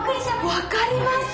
分かります。